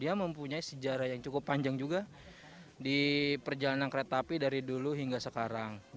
dia mempunyai sejarah yang cukup panjang juga di perjalanan kereta api dari dulu hingga sekarang